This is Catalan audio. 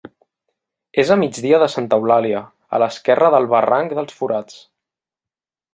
És a migdia de Santa Eulàlia, a l'esquerra del barranc dels Forats.